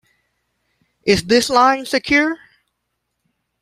Is this line secure?